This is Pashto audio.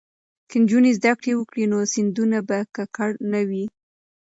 که نجونې زده کړې وکړي نو سیندونه به ککړ نه وي.